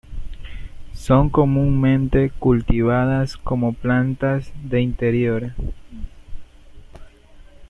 Son comúnmente cultivadas como plantas de interior.